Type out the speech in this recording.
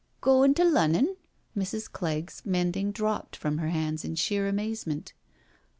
'*•• Coin' to Lunnon?" Mrs. Clegg's mending dropped from her hands in sheer amazement.